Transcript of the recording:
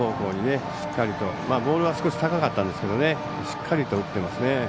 ボールは高かったんですけどしっかりと打ってますね。